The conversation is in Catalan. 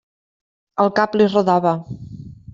El cap li rodava.